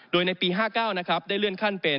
โดยในปี๕๙ได้เลื่อนขั้นเป็น